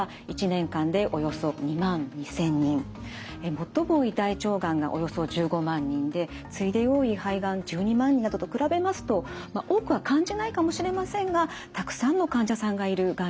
最も多い大腸がんがおよそ１５万人で次いで多い肺がん１２万人などと比べますと多くは感じないかもしれませんがたくさんの患者さんがいるがんになります。